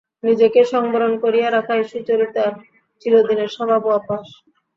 নিজেকে সংবরণ করিয়া রাখাই সুচরিতার চিরদিনের স্বভাব ও অভ্যাস।